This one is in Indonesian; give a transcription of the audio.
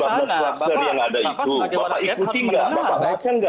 bapak ikuti nggak bapak baca nggak